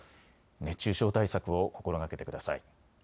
熱中症対策を心がけてください。